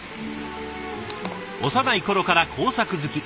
幼い頃から工作好き。